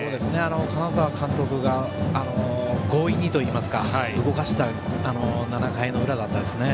金沢監督が強引にといいますか動かした７回の裏でしたね。